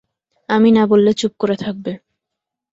আমি না বললে চুপ করে থাকবে।